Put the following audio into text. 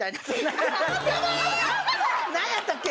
何やったっけ？